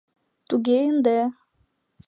— Туге ынде!..